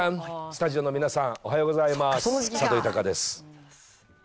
スタジオの皆さん、おはようございます。